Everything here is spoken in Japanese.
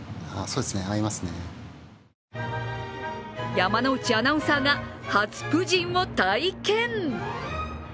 山内アナウンサーが初プヂンを体験。